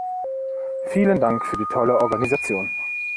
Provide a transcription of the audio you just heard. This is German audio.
Vielen Dank für die tolle Organisation.